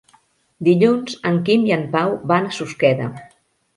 Dilluns en Quim i en Pau van a Susqueda.